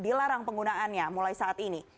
dilarang penggunaannya mulai saat ini